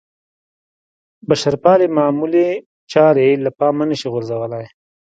بشرپالنې معمولې چارې له پامه نه شي غورځېدلی.